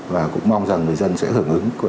và cũng mong rằng người dân sẽ hưởng ứng